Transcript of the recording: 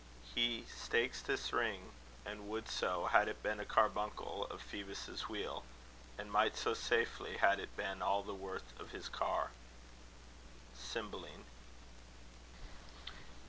He...stakes this ring; And would so, had it been a carbuncle Of Phoebus' wheel; and might so safely, had it Been all the worth of his car. Cymbeline.